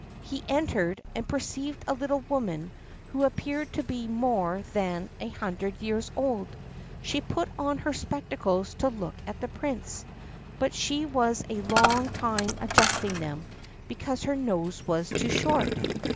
He entered, and perceived a little woman, who appeared to be more than an hundred years old. She put on her spectacles to look at the Prince, but she was a long time adjusting them, because her nose was too short.